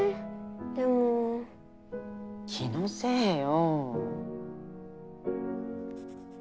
でも気のせいよ